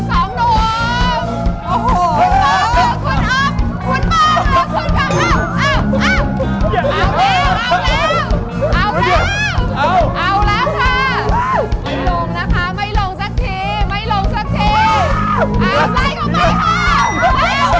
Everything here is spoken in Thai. ถ้าพร้อมแล้ว